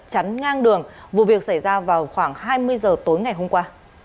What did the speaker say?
chắn ngang đường vụ việc xảy ra vào khoảng hai mươi giờ tối ngày hôm qua